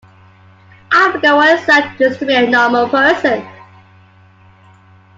I forgot what it's like just to be a normal person.